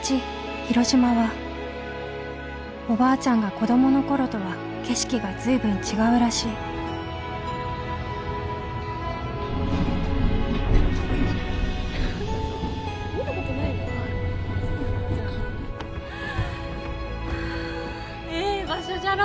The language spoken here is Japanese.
広島はおばあちゃんが子供の頃とは景色が随分違うらしいはあええ場所じゃろ。